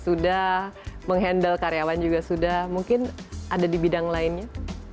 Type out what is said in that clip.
sudah menghandle karyawan juga sudah mungkin ada di bidang lainnya